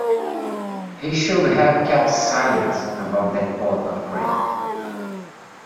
He should have kept silence about that pot of cream.